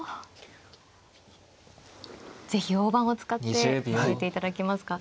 是非大盤を使って教えていただけますか。